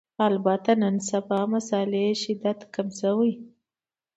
البته نن سبا مسألې شدت کم شوی